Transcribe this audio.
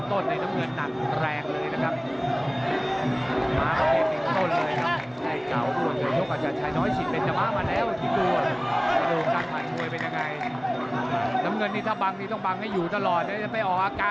ตีนี่ไม่ใช่ง่ายนะ